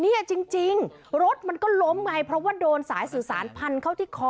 เนี่ยจริงรถมันก็ล้มไงเพราะว่าโดนสายสื่อสารพันเข้าที่คอ